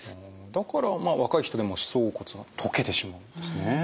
だからまあ若い人でも歯槽骨溶けてしまうんですね。